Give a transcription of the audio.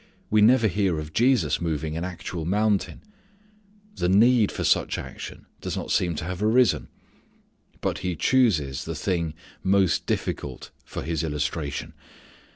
We never hear of Jesus moving an actual mountain. The need for such action does not seem to have arisen. But He chooses the thing most difficult for His illustration.